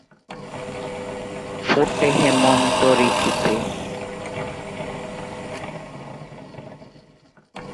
ফোটে হেমন্ত ঋতুতে।